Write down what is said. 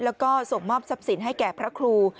แล้วก็ส่งมอบทรัพย์สินให้แก่พระครู